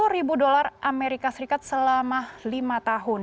sepuluh ribu dolar amerika serikat selama lima tahun